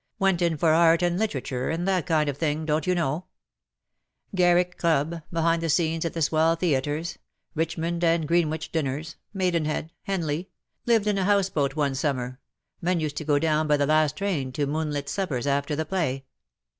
Went in for art and literature,, and that kind of thing, don't you know ? Garrick Club, behind the scenes at the swell theatres — Richmond and Greenwich dinners — Maidenhead — Henley — lived in a house boat one summer, men used to go down by the last train to moonlit suppers after the play.